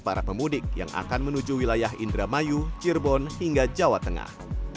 para pemudik yang akan menuju wilayah indramayu cirebon hingga jawa tengah